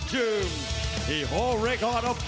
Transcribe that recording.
สวัสดีครับ